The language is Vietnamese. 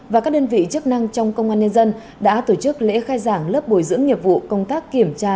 và các đơn vị chức năng trong công an nhân dân đã tổ chức lễ khai giảng lớp bồi dưỡng nghiệp vụ công tác kiểm tra